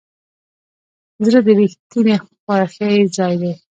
زړه د رښتینې خوښۍ ځای دی.